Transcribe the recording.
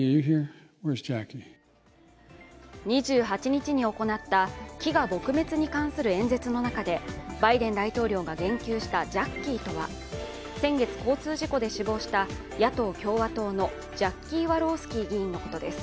２８日に行った飢餓撲滅に関する演説の中でバイデン大統領が言及したジャッキーとは、先月、交通事故で死亡した野党・共和党のジャッキー・ワロースキー議員のことです。